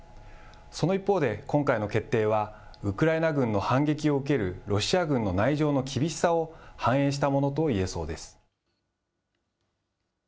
その一方で、今回の決定は、ウクライナ軍の反撃を受けるロシア軍の内情の厳しさを、反映したものといえそうです。